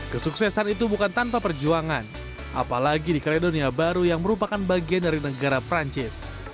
kesuksesan itu bukan tanpa perjuangan apalagi di kaledonia baru yang merupakan bagian dari negara perancis